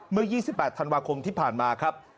เมื่อ๒๘ธันวาคมที่ผ่านมาครับ